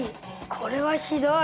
これはひどい。